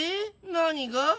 何が？